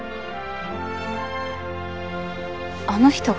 あの人が？